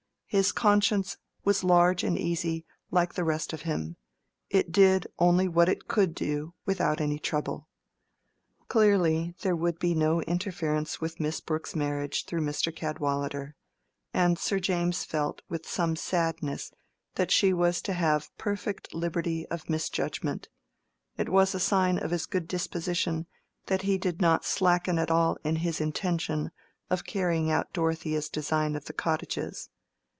His conscience was large and easy, like the rest of him: it did only what it could do without any trouble. Clearly, there would be no interference with Miss Brooke's marriage through Mr. Cadwallader; and Sir James felt with some sadness that she was to have perfect liberty of misjudgment. It was a sign of his good disposition that he did not slacken at all in his intention of carrying out Dorothea's design of the cottages.